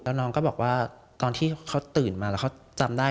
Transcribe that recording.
แล้วน้องก็บอกว่าตอนที่เขาตื่นมาแล้วเขาจำได้